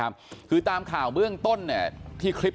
แม่ขี้หมาเนี่ยเธอดีเนี่ยเธอดีเนี่ย